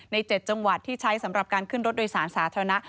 ๗จังหวัดที่ใช้สำหรับการขึ้นรถโดยสารสาธารณะ